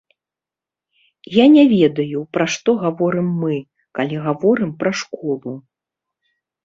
Я не ведаю, пра што гаворым мы, калі гаворым пра школу.